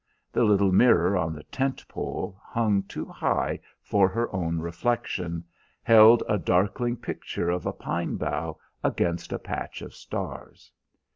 The little mirror on the tent pole, hung too high for her own reflection, held a darkling picture of a pine bough against a patch of stars.